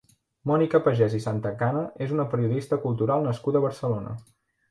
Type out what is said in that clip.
Mònica Pagès i Santacana és una periodista cultural nascuda a Barcelona.